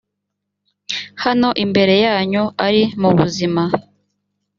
hano imbere yanyu ari muzima